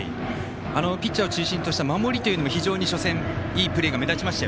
ピッチャーを中心とした守りというのも初戦いいプレーが目立ちました。